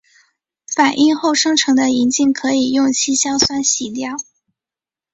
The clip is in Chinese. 反应后生成的银镜可以用稀硝酸洗掉。